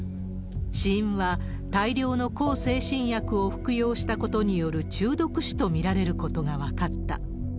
死因は大量の向精神薬を服用したことによる中毒死と見られることが分かった。